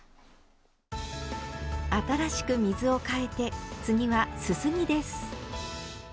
新しく水をかえて次はすすぎです。